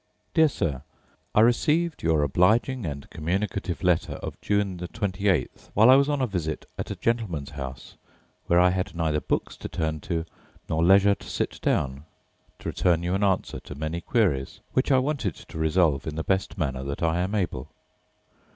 Dear Sir, I received your obliging and communicative letter of June the 28th, while I was on a visit at a gentleman's house, where I had neither books to turn to, nor leisure to sit down, to return you an answer to many queries, which I wanted to resolve in the best manner that I am able.